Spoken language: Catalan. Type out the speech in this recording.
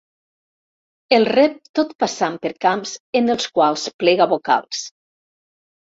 El rep tot passant per camps en els quals plega vocals.